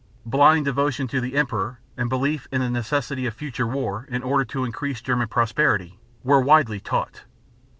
Blind devotion to the emperor and belief in the necessity of future war in order to increase German prosperity, were widely taught.